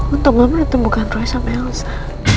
untuk ngambek temukan roy sama elsa